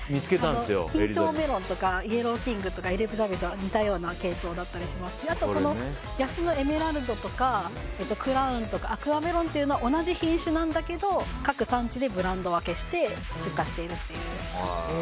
イエローキングとかエリザベスは似たような系統だったりしますしエメラルドとかクラウンとかアクアメロンというのは同じ品種なんですけど各産地でブランド分けして出荷しているという。